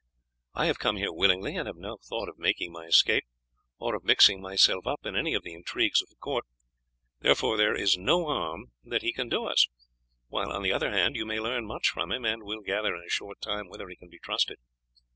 I have come here willingly, and have no thought of making my escape, or of mixing myself up in any of the intrigues of the court. Therefore there is no harm that he can do us, while on the other hand you may learn much from him, and will gather in a short time whether he can be trusted.